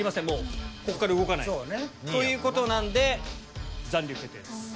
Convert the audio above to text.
もうこっから動かない。ということなんで残留決定です。